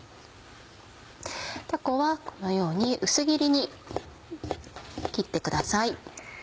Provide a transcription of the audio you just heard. たこはこのように薄切りに切ってください。